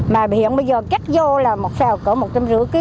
mà hiện bây giờ kết vô là một sào cỡ một trăm năm mươi kg